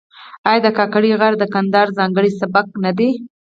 آیا د کاکړۍ غاړې د کندهار ځانګړی سبک نه دی؟